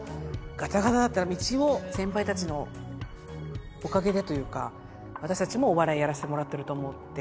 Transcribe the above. ガタガタだった道を先輩たちのおかげでというか私たちもお笑いやらせてもらってると思ってるんで。